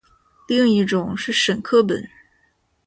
另一种是沈刻本。